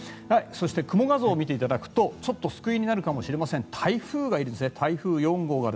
そして、雲画像を見ていただくとちょっと救いになるかもしれません。